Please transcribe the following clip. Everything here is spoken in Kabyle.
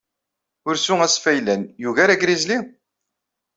Ursu asfaylan yugar agrizli?